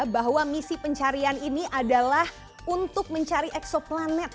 bahwa misi pencarian ini adalah untuk mencari eksoplanet